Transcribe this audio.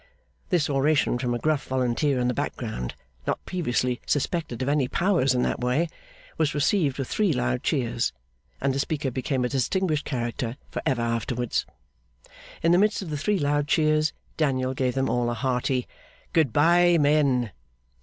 This oration from a gruff volunteer in the back ground, not previously suspected of any powers in that way, was received with three loud cheers; and the speaker became a distinguished character for ever afterwards. In the midst of the three loud cheers, Daniel gave them all a hearty 'Good Bye, Men!